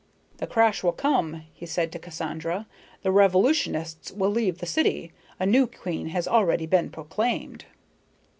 "The crash will come," he said to Cassandra. "The revolutionists will leave the city. A new queen has already been proclaimed."